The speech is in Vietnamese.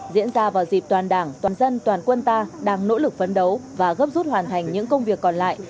diễn ra vào dịp toàn đảng toàn dân toàn quân ta đang nỗ lực phấn đấu và gấp rút hoàn thành những công việc còn lại